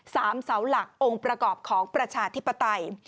เสาหลักองค์ประกอบของประชาธิปไตย